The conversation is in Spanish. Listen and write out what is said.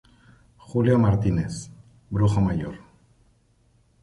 Julio Martínez -Brujo mayor-.